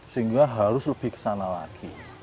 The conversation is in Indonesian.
sehingga harus lebih ke sana lagi